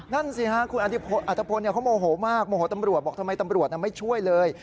นั่นสิฮะคุณอัตภพลเขาโมโหมากโมโหตำรวจบอกทำไมตำรวจไม่ช่วยเลย